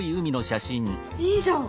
いいじゃん！